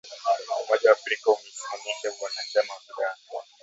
umoja wa Afrika umeisimamisha uanachama wa Sudan